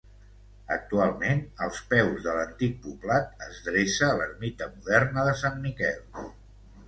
Actualment, als peus de l'antic poblat es dreça l'ermita moderna de Sant Miquel.